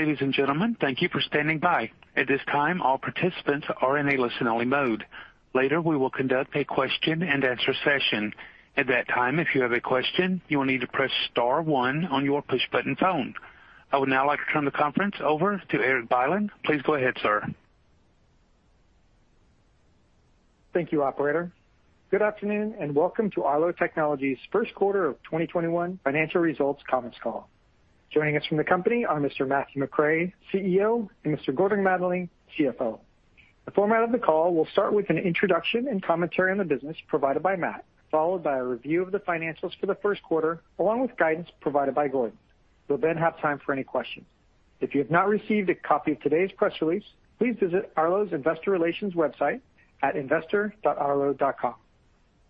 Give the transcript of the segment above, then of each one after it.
Ladies and gentlemen, thank you for standing by. At this time, all participants are in a listen-only mode. Later, we will conduct a question-and-answer session. At that time, if you have a question, you will need to press star one on your push-button phone. I would now like to turn the conference over to Erik Bylin. Please go ahead, sir. Thank you, operator. Good afternoon. Welcome to Arlo Technologies' first quarter of 2021 financial results comments call. Joining us from the company are Mr. Matthew McRae, CEO, and Mr. Gordon Mattingly, CFO. The format of the call will start with an introduction and commentary on the business provided by Matt, followed by a review of the financials for the first quarter, along with guidance provided by Gordon. We'll have time for any questions. If you have not received a copy of today's press release, please visit Arlo's investor relations website at investor.arlo.com.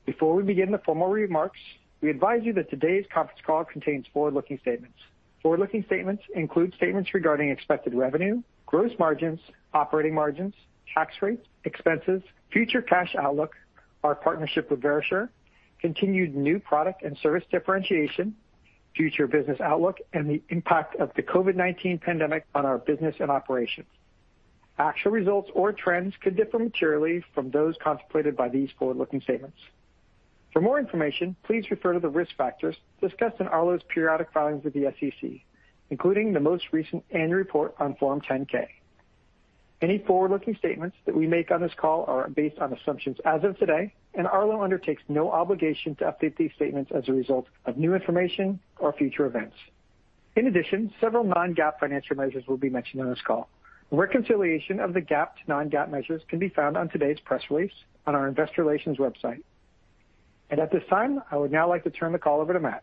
Before we begin the formal remarks, we advise you that today's conference call contains forward-looking statements. Forward-looking statements include statements regarding expected revenue, gross margins, operating margins, tax rates, expenses, future cash outlook, our partnership with Verisure, continued new product and service differentiation, future business outlook, and the impact of the COVID-19 pandemic on our business and operations. Actual results or trends could differ materially from those contemplated by these forward-looking statements. For more information, please refer to the risk factors discussed in Arlo's periodic filings with the SEC, including the most recent annual report on Form 10-K. Any forward-looking statements that we make on this call are based on assumptions as of today. Arlo undertakes no obligation to update these statements as a result of new information or future events. In addition, several non-GAAP financial measures will be mentioned on this call. A reconciliation of the GAAP to non-GAAP measures can be found on today's press release on our investor relations website. At this time, I would now like to turn the call over to Matt.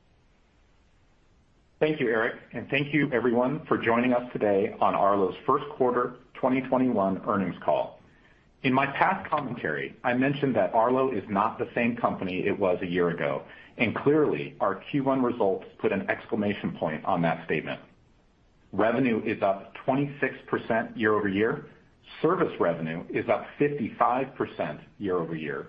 Thank you, Erik, and thank you everyone for joining us today on Arlo's first quarter 2021 earnings call. In my past commentary, I mentioned that Arlo is not the same company it was a year ago, and clearly, our Q1 results put an exclamation point on that statement. Revenue is up 26% year-over-year. Service revenue is up 55% year-over-year.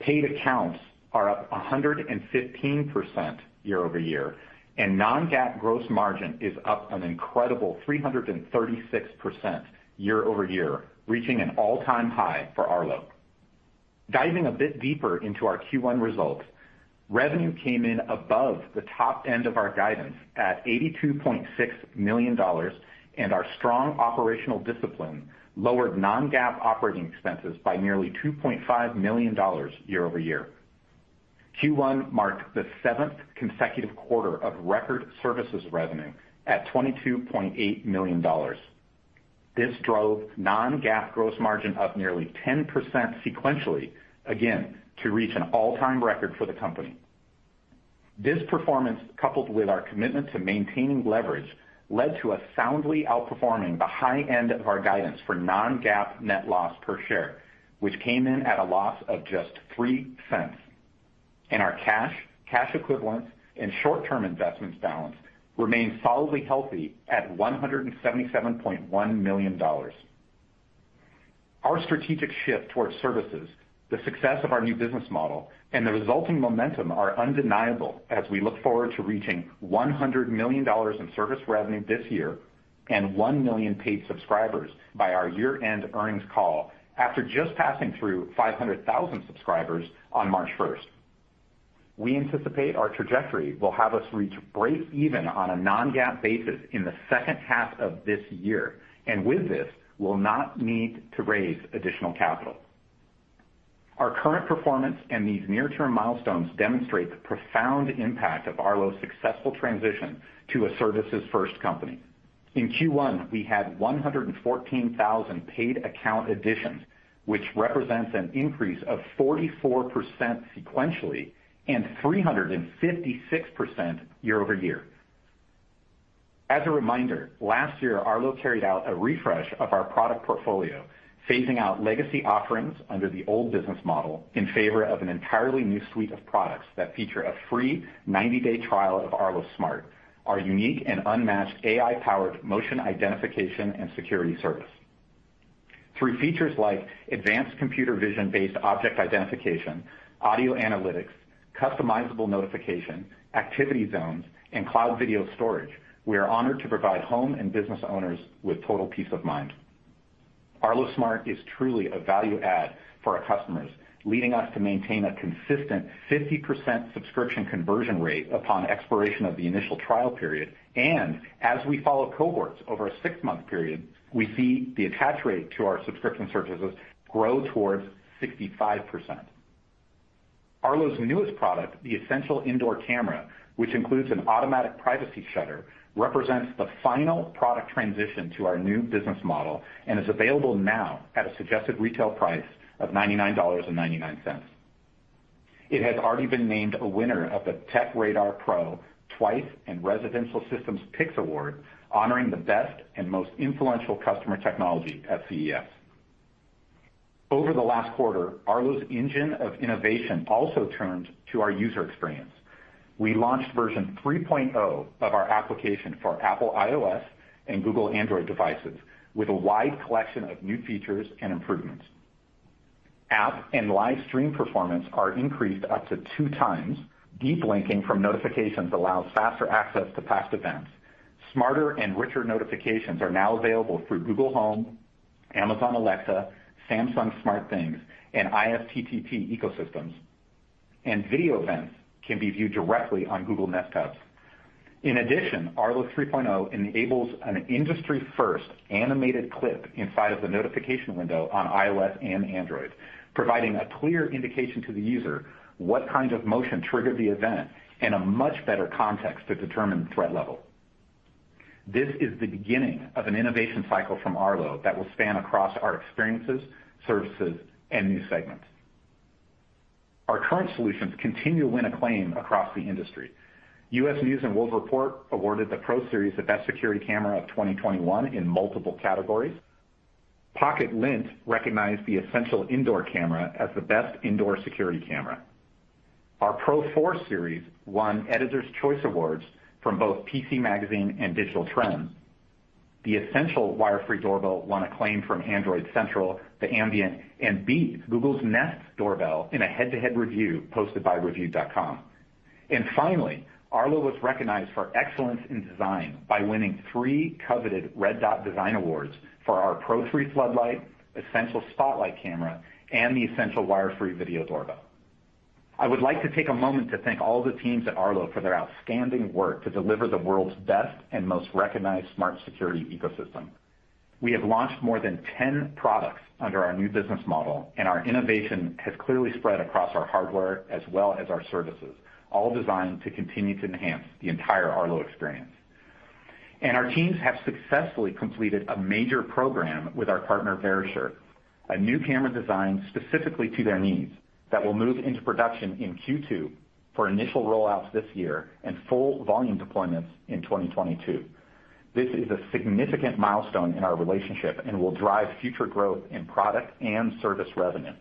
Paid accounts are up 115% year-over-year, and non-GAAP gross margin is up an incredible 336% year-over-year, reaching an all-time high for Arlo. Diving a bit deeper into our Q1 results, revenue came in above the top end of our guidance at $82.6 million, and our strong operational discipline lowered non-GAAP operating expenses by nearly $2.5 million year-over-year. Q1 marked the seventh consecutive quarter of record services revenue at $22.8 million. This drove non-GAAP gross margin up nearly 10% sequentially, again, to reach an all-time record for the company. This performance, coupled with our commitment to maintaining leverage, led to us soundly outperforming the high end of our guidance for non-GAAP net loss per share, which came in at a loss of just $0.03. Our cash equivalents, and short-term investments balance remains solidly healthy at $177.1 million. Our strategic shift towards services, the success of our new business model, and the resulting momentum are undeniable as we look forward to reaching $100 million in service revenue this year and 1 million paid subscribers by our year-end earnings call after just passing through 500,000 subscribers on March 1st. We anticipate our trajectory will have us reach break even on a non-GAAP basis in the second half of this year, and with this, will not need to raise additional capital. Our current performance and these near-term milestones demonstrate the profound impact of Arlo's successful transition to a services-first company. In Q1, we had 114,000 paid account additions, which represents an increase of 44% sequentially and 356% year-over-year. As a reminder, last year, Arlo carried out a refresh of our product portfolio, phasing out legacy offerings under the old business model in favor of an entirely new suite of products that feature a free 90-day trial of Arlo Smart, our unique and unmatched AI-powered motion identification and security service. Through features like advanced computer vision-based object identification, audio analytics, customizable notification, activity zones, and cloud video storage, we are honored to provide home and business owners with total peace of mind. Arlo Smart is truly a value add for our customers, leading us to maintain a consistent 50% subscription conversion rate upon expiration of the initial trial period. As we follow cohorts over a six-month period, we see the attach rate to our subscription services grow towards 65%. Arlo's newest product, the Essential Indoor Camera, which includes an automatic privacy shutter, represents the final product transition to our new business model and is available now at a suggested retail price of $99.99. It has already been named a winner of the TechRadar Pro twice and Residential Systems Picks Award, honoring the best and most influential customer technology at CES. Over the last quarter, Arlo's engine of innovation also turned to our user experience. We launched version 3.0 of our application for Apple iOS and Google Android devices with a wide collection of new features and improvements. App and live stream performance are increased up to two times. Deep linking from notifications allows faster access to past events. Smarter and richer notifications are now available through Google Home, Amazon Alexa, Samsung SmartThings, and IFTTT ecosystems, and video events can be viewed directly on Google Nest Hubs. In addition, Arlo 3.0 enables an industry-first animated clip inside of the notification window on iOS and Android, providing a clear indication to the user what kind of motion triggered the event and a much better context to determine threat level. This is the beginning of an innovation cycle from Arlo that will span across our experiences, services, and new segments. Our current solutions continue to win acclaim across the industry. U.S. News & World Report awarded the Pro Series the best security camera of 2021 in multiple categories. Pocket-lint recognized the Essential Indoor Camera as the best indoor security camera. Our Pro 4 Series won Editors' Choice awards from both PC Magazine and Digital Trends. The Essential Wire-Free Doorbell won acclaim from Android Central, The Ambient, and beat Google's Nest Doorbell in a head-to-head review posted by reviewed.com. Finally, Arlo was recognized for excellence in design by winning three coveted Red Dot design awards for our Pro 3 Floodlight, Essential Spotlight Camera, and the Essential Wire-Free Video Doorbell. I would like to take a moment to thank all the teams at Arlo for their outstanding work to deliver the world's best and most recognized smart security ecosystem. We have launched more than 10 products under our new business model, and our innovation has clearly spread across our hardware as well as our services, all designed to continue to enhance the entire Arlo experience. Our teams have successfully completed a major program with our partner, Verisure, a new camera design specifically to their needs that will move into production in Q2 for initial rollouts this year and full volume deployments in 2022. This is a significant milestone in our relationship and will drive future growth in product and service revenue.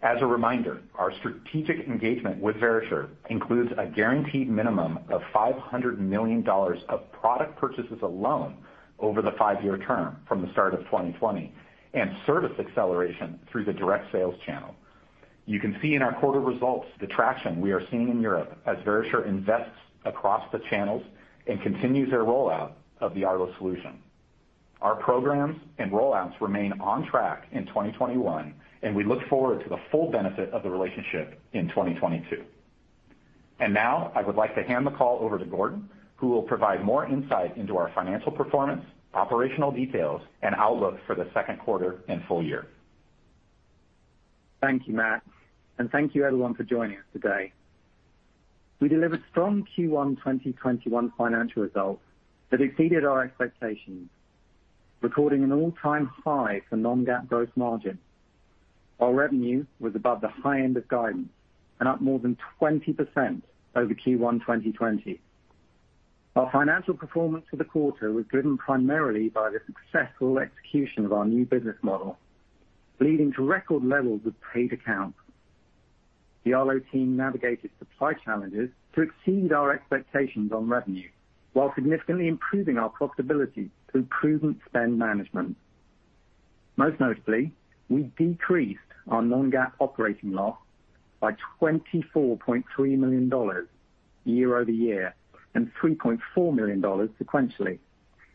As a reminder, our strategic engagement with Verisure includes a guaranteed minimum of $500 million of product purchases alone over the five-year term from the start of 2020 and service acceleration through the direct sales channel. You can see in our quarter results the traction we are seeing in Europe as Verisure invests across the channels and continues their rollout of the Arlo solution. Our programs and rollouts remain on track in 2021, and we look forward to the full benefit of the relationship in 2022. Now, I would like to hand the call over to Gordon, who will provide more insight into our financial performance, operational details, and outlook for the second quarter and full year. Thank you, Matt, and thank you, everyone, for joining us today. We delivered strong Q1 2021 financial results that exceeded our expectations, recording an all-time high for non-GAAP gross margin. Our revenue was above the high end of guidance and up more than 20% over Q1 2020. Our financial performance for the quarter was driven primarily by the successful execution of our new business model, leading to record levels of paid accounts. The Arlo team navigated supply challenges to exceed our expectations on revenue while significantly improving our profitability through prudent spend management. Most notably, we decreased our non-GAAP operating loss by $24.3 million year-over-year and $3.4 million sequentially,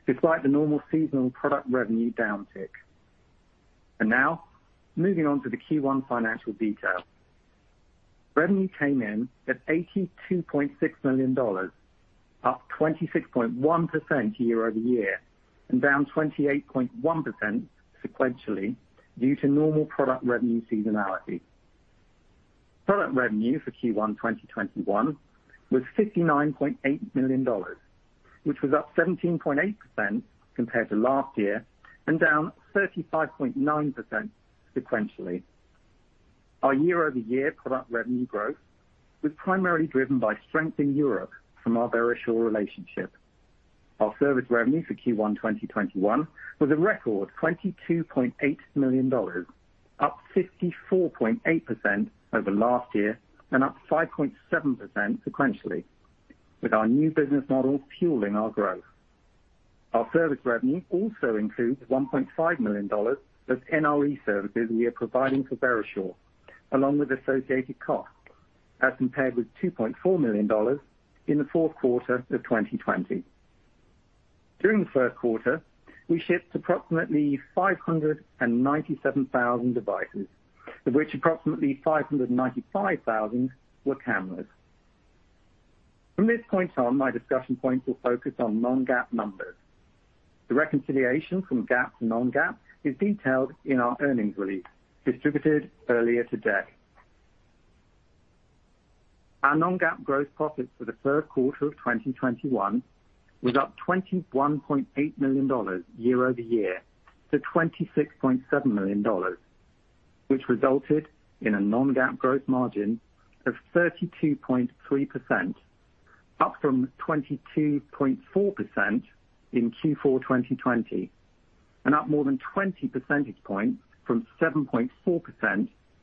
despite the normal seasonal product revenue downtick. Now, moving on to the Q1 financial detail. Revenue came in at $82.6 million, up 26.1% year-over-year, and down 28.1% sequentially due to normal product revenue seasonality. Product revenue for Q1 2021 was $59.8 million, which was up 17.8% compared to last year and down 35.9% sequentially. Our year-over-year product revenue growth was primarily driven by strength in Europe from our Verisure relationship. Our service revenue for Q1 2021 was a record $22.8 million, up 54.8% over last year and up 5.7% sequentially, with our new business model fueling our growth. Our service revenue also includes $1.5 million of NRE services we are providing for Verisure, along with associated costs, as compared with $2.4 million in the fourth quarter of 2020. During the first quarter, we shipped approximately 597,000 devices, of which approximately 595,000 were cameras. From this point on, my discussion points will focus on non-GAAP numbers. The reconciliation from GAAP to non-GAAP is detailed in our earnings release distributed earlier today. Our non-GAAP gross profits for the first quarter of 2021 was up $21.8 million year-over-year to $26.7 million, which resulted in a non-GAAP gross margin of 32.3%, up from 22.4% in Q4 2020 and up more than 20 percentage points from 7.4%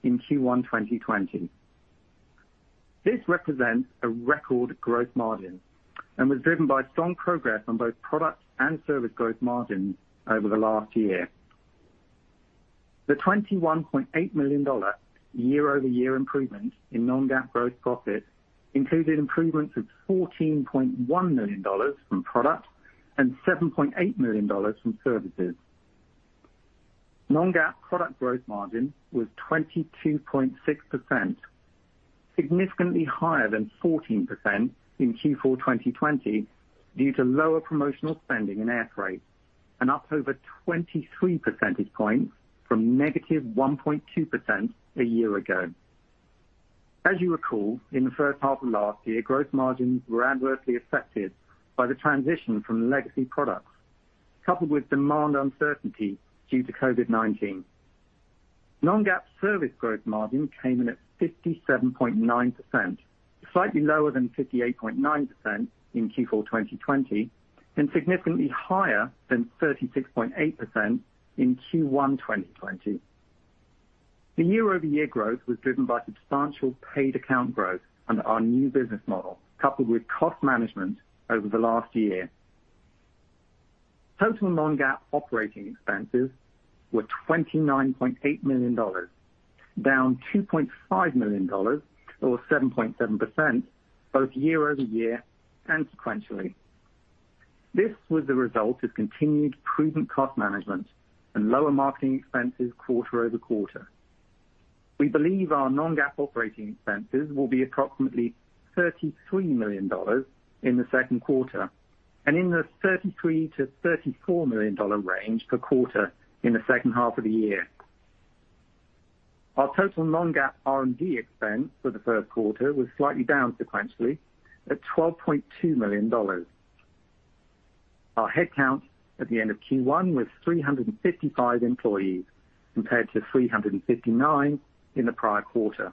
in Q1 2020. This represents a record gross margin and was driven by strong progress on both product and service gross margins over the last year. The $21.8 million year-over-year improvement in non-GAAP gross profit included improvements of $14.1 million from product and $7.8 million from services. Non-GAAP product gross margin was 22.6%, significantly higher than 14% in Q4 2020 due to lower promotional spending and air freight, and up over 23 percentage points from negative 1.2% a year ago. As you recall, in the first half of last year, gross margins were adversely affected by the transition from legacy products, coupled with demand uncertainty due to COVID-19. Non-GAAP service gross margin came in at 57.9%, slightly lower than 58.9% in Q4 2020, significantly higher than 36.8% in Q1 2020. The year-over-year growth was driven by substantial paid account growth under our new business model, coupled with cost management over the last year. Total non-GAAP operating expenses were $29.8 million, down $2.5 million, or 7.7%, both year-over-year and sequentially. This was the result of continued prudent cost management and lower marketing expenses quarter-over-quarter. We believe our non-GAAP operating expenses will be approximately $33 million in the second quarter and in the $33 million-$34 million range per quarter in the second half of the year. Our total non-GAAP R&D expense for the first quarter was slightly down sequentially at $12.2 million. Our headcount at the end of Q1 was 355 employees, compared to 359 in the prior quarter.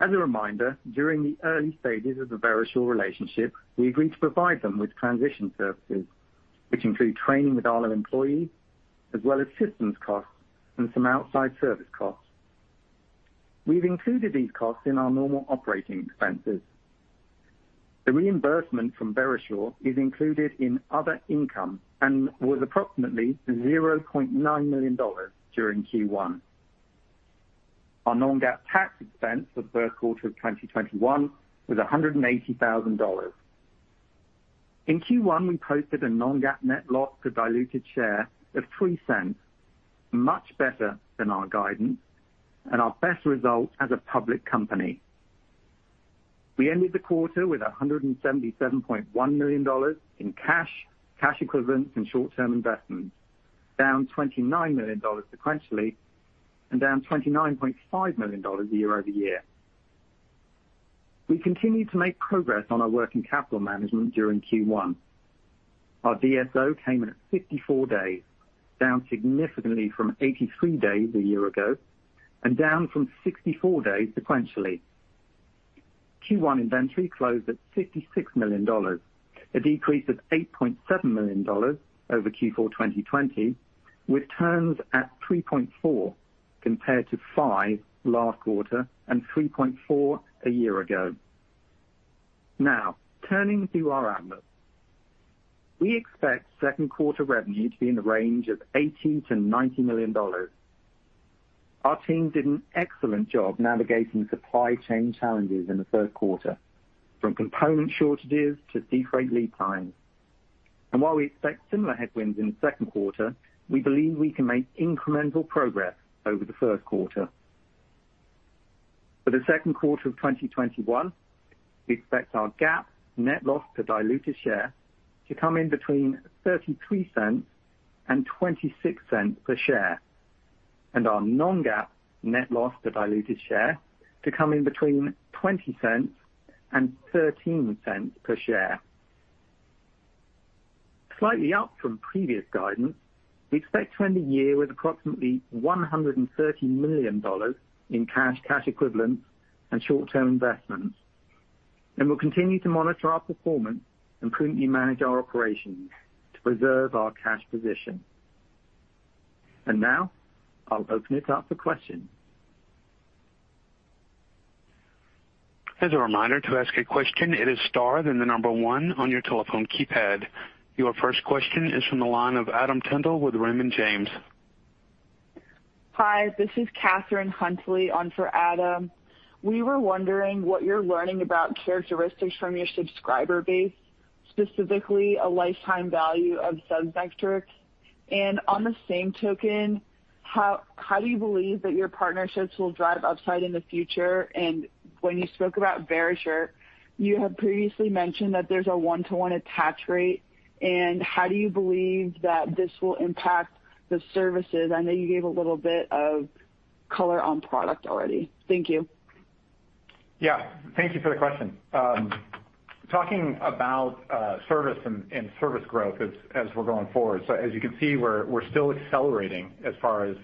As a reminder, during the early stages of the Verisure relationship, we agreed to provide them with transition services, which include training with Arlo employees, as well as systems costs and some outside service costs. We've included these costs in our normal operating expenses. The reimbursement from Verisure is included in other income and was approximately $0.9 million during Q1. Our non-GAAP tax expense for the first quarter of 2021 was $180,000. In Q1, we posted a non-GAAP net loss to diluted share of $0.03, much better than our guidance and our best result as a public company. We ended the quarter with $177.1 million in cash equivalents, and short-term investments, down $29 million sequentially and down $29.5 million year-over-year. We continued to make progress on our working capital management during Q1. Our DSO came in at 54 days, down significantly from 83 days a year ago and down from 64 days sequentially. Q1 inventory closed at $56 million, a decrease of $8.7 million over Q4 2020, with turns at 3.4 compared to five last quarter and 3.4 a year ago. Turning to our outlook. We expect second quarter revenue to be in the range of $80 million - $90 million. Our team did an excellent job navigating supply chain challenges in the third quarter, from component shortages to sea freight lead times. While we expect similar headwinds in the second quarter, we believe we can make incremental progress over the first quarter. For the second quarter of 2021, we expect our GAAP net loss to diluted share to come in between $0.33 and $0.26 per share. Our non-GAAP net loss to diluted share to come in between $0.20 and $0.13 per share. Slightly up from previous guidance, we expect to end the year with approximately $130 million in cash equivalents, and short-term investments, and we'll continue to monitor our performance and prudently manage our operations to preserve our cash position. Now, I'll open it up for questions. As a reminder to ask a question, hit the star then the number one on your telephone keypad. Your first question is from the line of Adam Tindle with Raymond James. Hi, this is Catherine Huntley on for Adam. We were wondering what you're learning about characteristics from your subscriber base, specifically a lifetime value of sub metrics. On the same token, how do you believe that your partnerships will drive upside in the future? When you spoke about Verisure, you had previously mentioned that there's a one-to-one attach rate, and how do you believe that this will impact the services? I know you gave a little bit of color on product already. Thank you. Yeah. Thank you for the question. Talking about service and service growth as we're going forward. As you can see, we're still accelerating as far as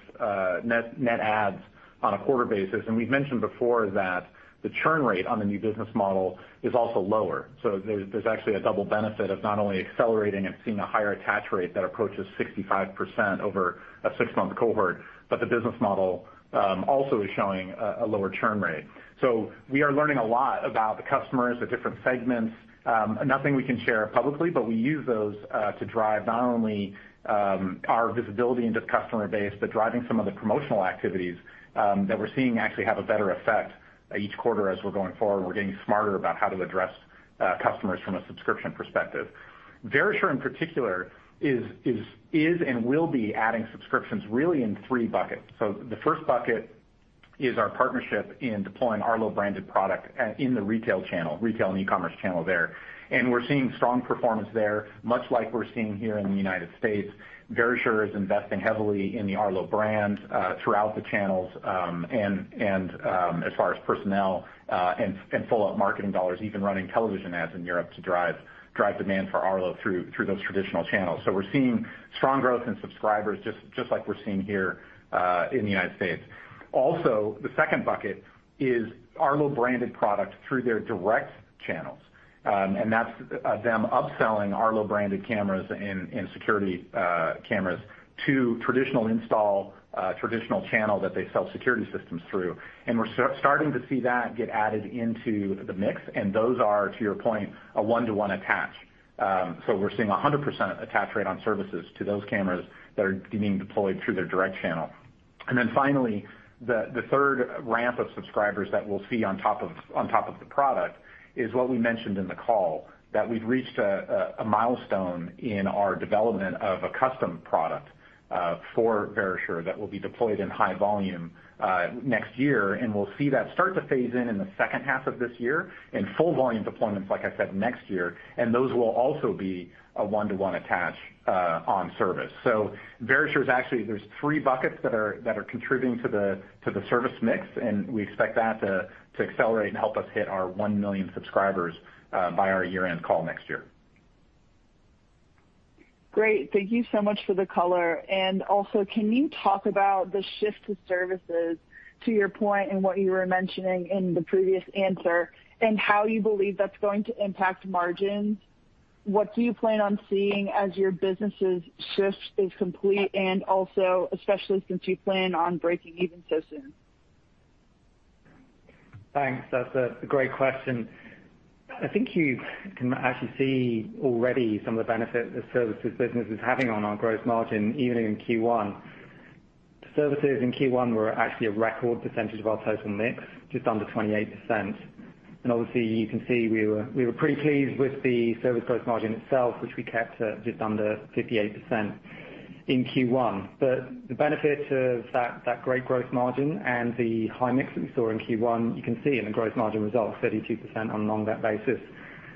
net adds on a quarter basis. We've mentioned before that the churn rate on the new business model is also lower. There's actually a double benefit of not only accelerating and seeing a higher attach rate that approaches 65% over a six-month cohort, but the business model also is showing a lower churn rate. We are learning a lot about the customers, the different segments. Nothing we can share publicly, but we use those to drive not only our visibility into the customer base, but driving some of the promotional activities that we're seeing actually have a better effect each quarter as we're going forward, and we're getting smarter about how to address customers from a subscription perspective. Verisure in particular is and will be adding subscriptions really in three buckets. The first bucket is our partnership in deploying Arlo branded product in the retail channel, retail and e-commerce channel there. We're seeing strong performance there, much like we're seeing here in the United States. Verisure is investing heavily in the Arlo brand throughout the channels, and as far as personnel and full-out marketing dollars, even running television ads in Europe to drive demand for Arlo through those traditional channels. We're seeing strong growth in subscribers just like we're seeing here in the United States. Also, the second bucket is Arlo branded products through their direct channels. That's them upselling Arlo branded cameras and security cameras to traditional install, traditional channel that they sell security systems through. We're starting to see that get added into the mix, and those are, to your point, a one-to-one attach. We're seeing 100% attach rate on services to those cameras that are being deployed through their direct channel. Finally, the third ramp of subscribers that we'll see on top of the product is what we mentioned in the call, that we've reached a milestone in our development of a custom product for Verisure that will be deployed in high volume next year, and we'll see that start to phase in in the second half of this year, and full volume deployments, like I said, next year, and those will also be a one-to-one attach on service. Verisure is actually, there's three buckets that are contributing to the service mix, and we expect that to accelerate and help us hit our 1 million subscribers by our year-end call next year. Great. Thank you so much for the color. Also, can you talk about the shift to services, to your point and what you were mentioning in the previous answer, and how you believe that's going to impact margins? What do you plan on seeing as your business' shift is complete, and also especially since you plan on breaking even so soon? Thanks. That's a great question. I think you can actually see already some of the benefit the services business is having on our gross margin, even in Q1. Services in Q1 were actually a record percentage of our total mix, just under 28%. Obviously you can see we were pretty pleased with the service gross margin itself, which we kept at just under 58% in Q1. The benefit of that great gross margin and the high mix that we saw in Q1, you can see in the gross margin results, 32% on an ongoing basis.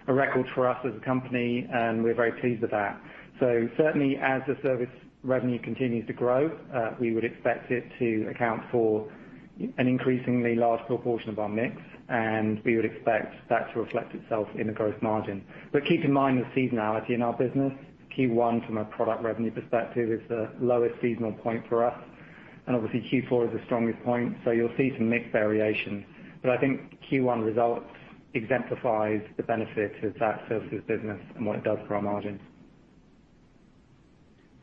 A record for us as a company, and we're very pleased with that. Certainly as the service revenue continues to grow, we would expect it to account for an increasingly large proportion of our mix, and we would expect that to reflect itself in the gross margin. Keep in mind the seasonality in our business. Q1 from a product revenue perspective is the lowest seasonal point for us, and obviously Q4 is the strongest point. You'll see some mix variation. I think Q1 results exemplifies the benefit of that services business and what it does for our margins.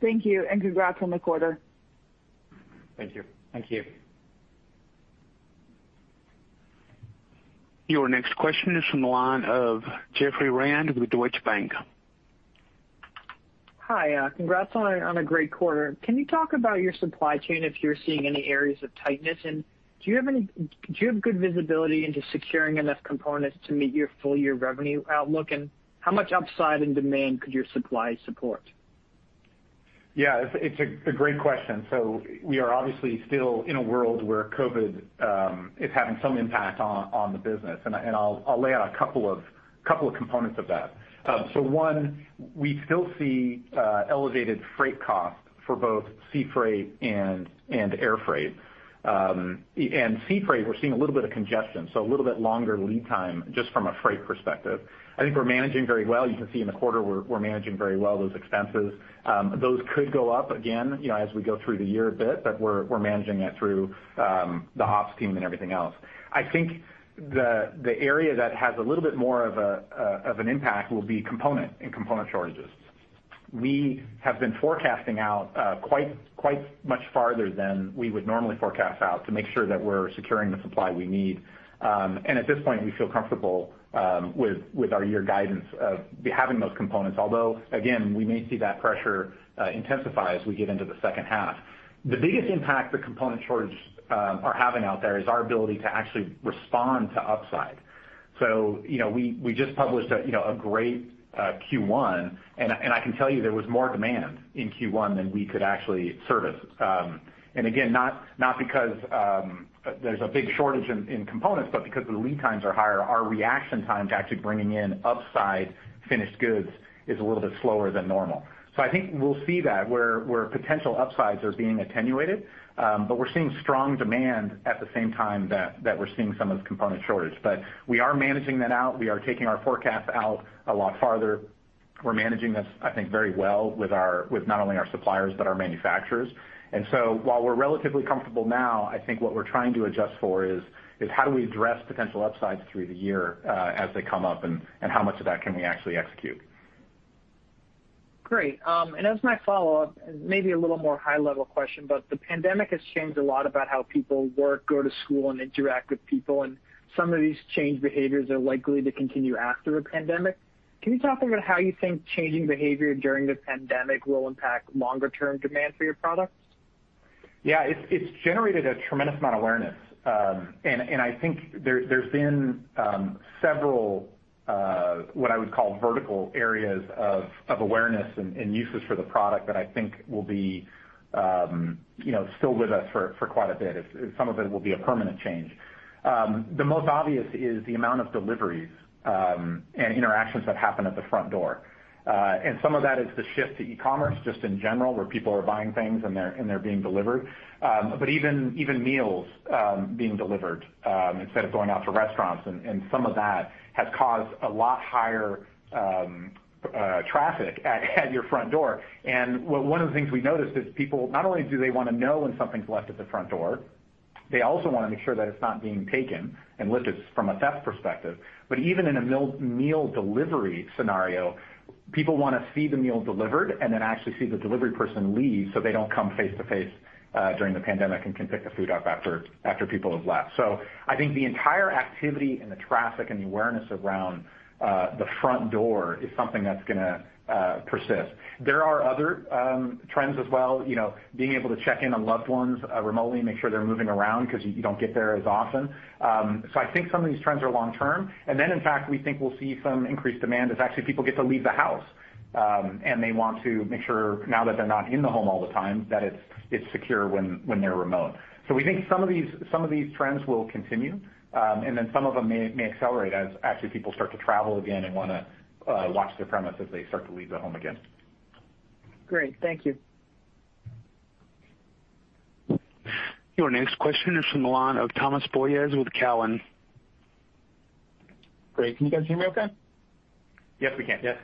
Thank you, and congrats on the quarter. Thank you. Thank you. Your next question is from the line of Jeffrey Rand with Deutsche Bank. Hi. Congrats on a great quarter. Can you talk about your supply chain, if you're seeing any areas of tightness, and do you have good visibility into securing enough components to meet your full-year revenue outlook? How much upside and demand could your supply support? Yeah, it's a great question. We are obviously still in a world where COVID is having some impact on the business, and I'll lay out a couple of components of that. One, we still see elevated freight costs for both sea freight and air freight. Sea freight, we're seeing a little bit of congestion, so a little bit longer lead time just from a freight perspective. I think we're managing very well. You can see in the quarter we're managing very well those expenses. Those could go up again as we go through the year a bit, but we're managing it through the ops team and everything else. I think the area that has a little bit more of an impact will be component and component shortages. We have been forecasting out quite much farther than we would normally forecast out to make sure that we're securing the supply we need. At this point we feel comfortable with our year guidance of having those components. Although, again, we may see that pressure intensify as we get into the second half. The biggest impact the component shortage are having out there is our ability to actually respond to upside. We just published a great Q1, and I can tell you there was more demand in Q1 than we could actually service. Again, not because there's a big shortage in components, but because the lead times are higher. Our reaction time to actually bringing in upside finished goods is a little bit slower than normal. I think we'll see that where potential upsides are being attenuated, but we're seeing strong demand at the same time that we're seeing some of this component shortage. We are managing that out. We are taking our forecast out a lot farther. We're managing this, I think, very well with not only our suppliers but our manufacturers. While we're relatively comfortable now, I think what we're trying to adjust for is how do we address potential upsides through the year as they come up, and how much of that can we actually execute? Great. As my follow-up, maybe a little more high-level question, but the pandemic has changed a lot about how people work, go to school, and interact with people, and some of these changed behaviors are likely to continue after the pandemic. Can you talk a bit about how you think changing behavior during the pandemic will impact longer-term demand for your products? Yeah. It's generated a tremendous amount of awareness. I think there's been several what I would call vertical areas of awareness and uses for the product that I think will be still with us for quite a bit. Some of it will be a permanent change. The most obvious is the amount of deliveries and interactions that happen at the front door. Some of that is the shift to e-commerce just in general, where people are buying things and they're being delivered. Even meals being delivered instead of going out to restaurants, and some of that has caused a lot higher traffic at your front door. One of the things we noticed is people, not only do they want to know when something's left at the front door, they also want to make sure that it's not being taken and lifted from a theft perspective. Even in a meal delivery scenario, people want to see the meal delivered and actually see the delivery person leave so they don't come face-to-face during the pandemic and can pick the food up after people have left. I think the entire activity and the traffic and the awareness around the front door is something that's going to persist. There are other trends as well. Being able to check in on loved ones remotely, make sure they're moving around because you don't get there as often. I think some of these trends are long-term, in fact, we think we'll see some increased demand as actually people get to leave the house, and they want to make sure now that they're not in the home all the time, that it's secure when they're remote. We think some of these trends will continue, and then some of them may accelerate as actually people start to travel again and want to watch their premise as they start to leave the home again. Great. Thank you. Your next question is from the line of Thomas Boyes with Cowen. Great. Can you guys hear me okay? Yes, we can. Yes.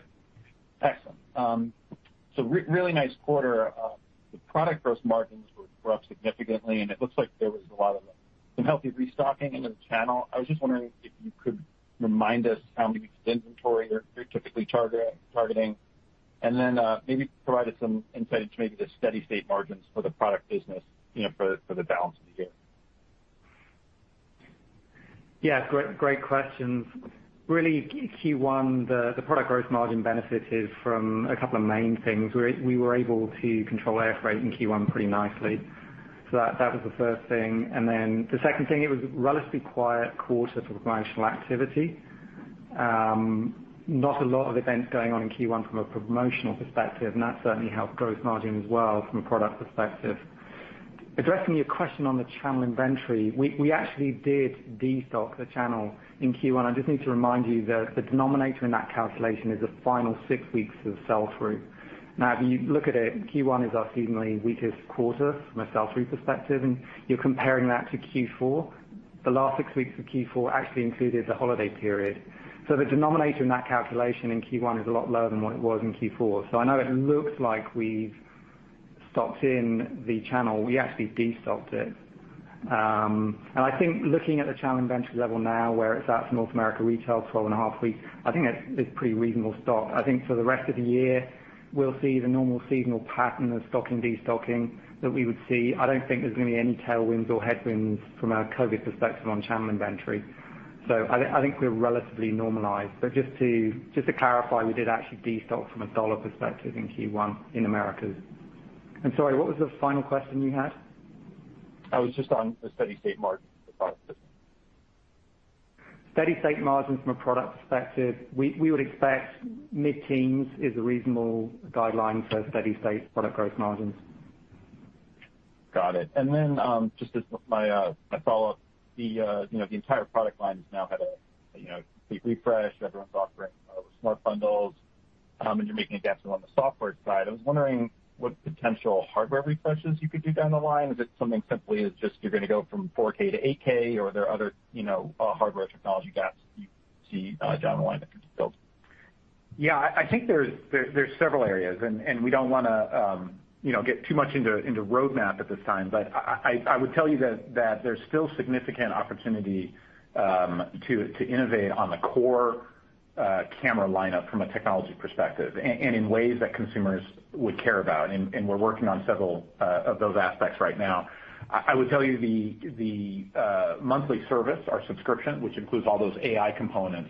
Excellent. Really nice quarter. The product gross margins were up significantly. It looks like there was a lot of some healthy restocking into the channel. I was just wondering if you could remind us how many weeks of inventory you're typically targeting, and then maybe provide us some insight into the steady-state margins for the product business for the balance of the year. Yeah. Great questions. Really, Q1, the product gross margin benefited from a couple of main things. We were able to control air freight in Q1 pretty nicely. That was the first thing, and then the second thing, it was a relatively quiet quarter for promotional activity. Not a lot of events going on in Q1 from a promotional perspective, and that certainly helped gross margin as well from a product perspective. Addressing your question on the channel inventory, we actually did destock the channel in Q1. I just need to remind you that the denominator in that calculation is the final six weeks of sell-through. Now, if you look at it, Q1 is our seasonally weakest quarter from a sell-through perspective, and you're comparing that to Q4. The last six weeks of Q4 actually included the holiday period. The denominator in that calculation in Q1 is a lot lower than what it was in Q4. I know it looks like we've stocked in the channel. We actually destocked it. I think looking at the channel inventory level now, where it's at for North America retail, 12.5 weeks, I think that is pretty reasonable stock. I think for the rest of the year, we'll see the normal seasonal pattern of stocking, destocking that we would see. I don't think there's going to be any tailwinds or headwinds from a COVID perspective on channel inventory. I think we're relatively normalized. Just to clarify, we did actually destock from a dollar perspective in Q1 in Americas. I'm sorry, what was the final question you had? It was just on the steady-state margin for products. Steady-state margin from a product perspective, we would expect mid-teens is a reasonable guideline for steady-state product gross margins. Got it. Just as my follow-up, the entire product line has now had a complete refresh. Everyone's offering Smart Bundles, and you're making a gap fill on the software side. I was wondering what potential hardware refreshes you could do down the line. Is it something simply as just you're going to go from 4K to 8K, or are there other hardware technology gaps you see down the line that could be filled? Yeah, I think there's several areas, and we don't want to get too much into roadmap at this time, but I would tell you that there's still significant opportunity to innovate on the core camera lineup from a technology perspective and in ways that consumers would care about, and we're working on several of those aspects right now. I would tell you the monthly service, our subscription, which includes all those AI components,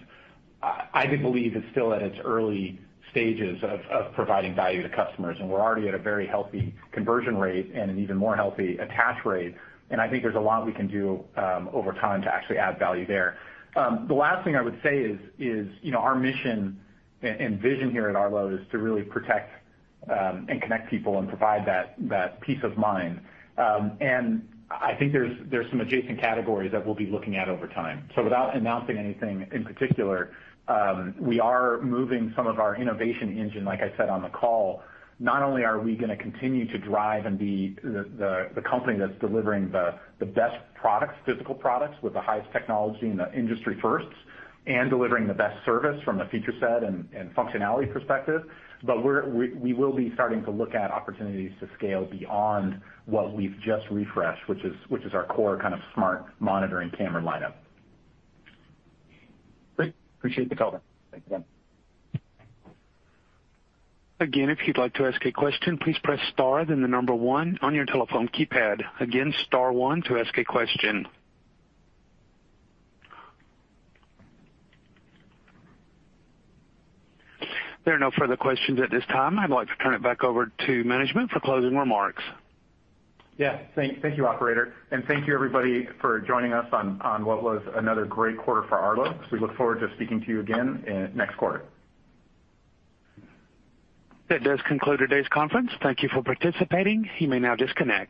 I believe is still at its early stages of providing value to customers, and we're already at a very healthy conversion rate and an even more healthy attach rate, and I think there's a lot we can do over time to actually add value there. The last thing I would say is our mission and vision here at Arlo is to really protect and connect people and provide that peace of mind. I think there's some adjacent categories that we'll be looking at over time. Without announcing anything in particular, we are moving some of our innovation engine, like I said on the call. Not only are we going to continue to drive and be the company that's delivering the best products, physical products with the highest technology and the industry firsts, and delivering the best service from a feature set and functionality perspective, but we will be starting to look at opportunities to scale beyond what we've just refreshed, which is our core kind of smart monitoring camera lineup. Great. Appreciate the color. Thanks again. There are no further questions at this time. I'd like to turn it back over to management for closing remarks. Yeah. Thank you, operator, and thank you everybody for joining us on what was another great quarter for Arlo. We look forward to speaking to you again next quarter. That does conclude today's conference. Thank you for participating. You may now disconnect.